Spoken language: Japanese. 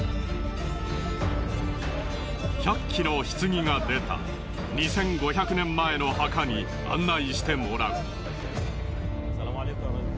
１００基の棺が出た２５００年前の墓に案内してもらう。